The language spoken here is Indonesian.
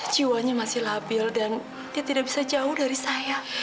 jiwanya masih labil dan dia tidak bisa jauh dari saya